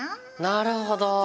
なるほど！